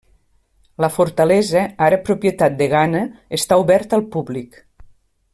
La fortalesa, ara propietat de Ghana, està oberta al públic.